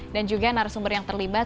dan juga narasumber yang terlibat